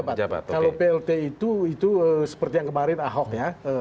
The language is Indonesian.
kalau plt itu seperti yang kemarin ahok ya